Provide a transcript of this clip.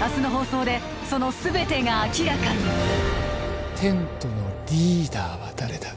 明日の放送でその全てが明らかにテントのリーダーは誰だ？